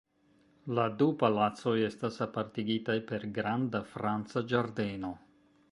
La du palacoj estas apartigitaj per granda franca ĝardeno.